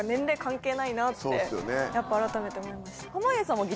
なってやっぱ改めて思いました。